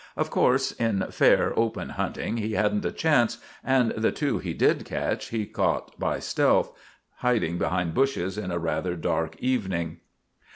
Of course, in fair, open hunting he hadn't a chance, and the two he did catch he got by stealth, hiding behind bushes on a rather dark evening.